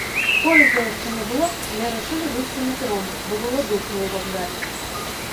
Поезда яшчэ не было, але рашылі выйсці на перон, бо было душна ў вакзале.